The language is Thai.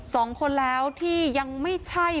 สองคนแล้วที่ยังไม่ใช่